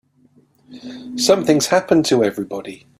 Something's happened to everybody.